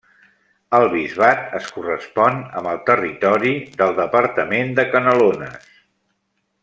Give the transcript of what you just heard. El bisbat es correspon amb el territori del departament de Canelones.